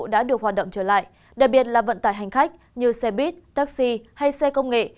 đã được hoạt động trở lại đặc biệt là vận tải hành khách như xe buýt taxi hay xe công nghệ